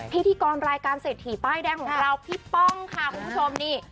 พิธีกรรายการเศรษฐีป้ายแดงของเราพี่ป้องค่ะคุณผู้ชมนี่